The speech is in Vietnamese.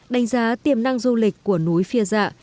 đánh giá tiềm năng du lịch của núi phía dạ